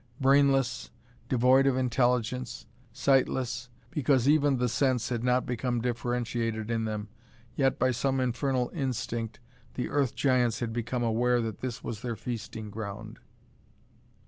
Brainless, devoid of intelligence, sightless, because even the sense had not become differentiated in them, yet by some infernal instinct the Earth Giants had become aware that this was their feasting ground.